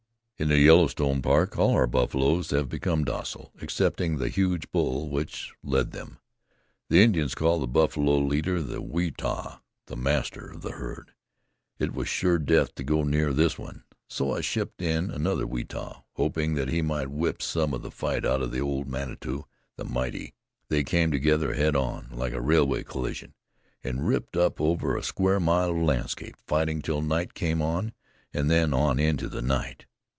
"In the Yellowstone Park all our buffaloes have become docile, excepting the huge bull which led them. The Indians call the buffalo leader the 'Weetah,' the master of the herd. It was sure death to go near this one. So I shipped in another Weetah, hoping that he might whip some of the fight out of old Manitou, the Mighty. They came together head on, like a railway collision, and ripped up over a square mile of landscape, fighting till night came on, and then on into the night.